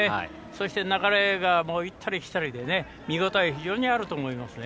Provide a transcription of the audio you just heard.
そして、流れが行ったり来たりで見応えが非常にあると思います。